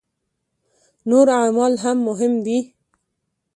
نور اعمال هم مهم دي.